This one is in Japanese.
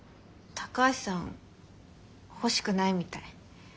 高橋さん欲しくないみたい。